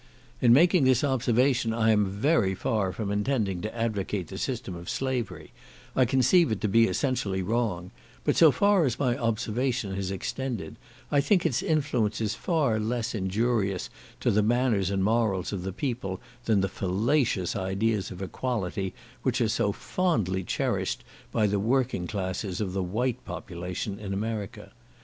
In making this observation I am very far from intending to advocate the system of slavery; I conceive it to be essentially wrong; but so far as my observation has extended, I think its influence is far less injurious to the manners and morals of the people than the fallacious ideas of equality, which are so fondly cherished by the working classes of the white population in America.